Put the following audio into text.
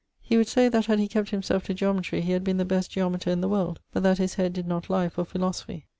He would say that had he kept himself to Geometry he had been the best geometer in the world but that his head did not lye for philosophy.